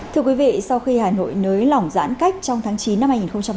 thưa quý vị sau khi hà nội nới lỏng giãn cách trong tháng chín năm hai nghìn hai mươi